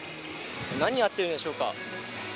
何をやっているんでしょうか。